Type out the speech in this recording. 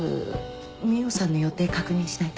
海音さんの予定確認しないと。